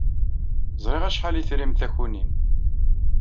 Ẓriɣ acḥal ay trim takunin.